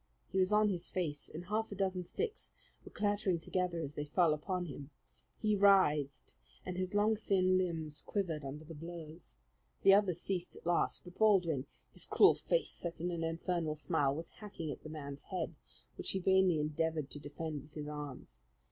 He was on his face, and half a dozen sticks were clattering together as they fell upon him. He writhed, and his long, thin limbs quivered under the blows. The others ceased at last; but Baldwin, his cruel face set in an infernal smile, was hacking at the man's head, which he vainly endeavoured to defend with his arms.